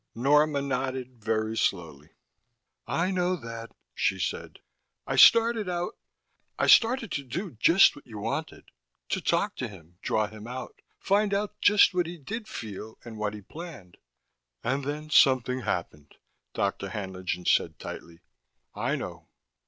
Norma nodded, very slowly. "I know that," she said. "I started out I started to do just what you wanted. To talk to him, draw him out, find out just what he did feel and what he planned." "And then something happened," Dr. Haenlingen said tightly. "I know."